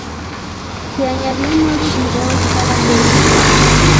Se añadían nuevos vídeos cada jueves.